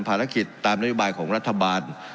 ภารกิจตามนโยบายของรัฐบาล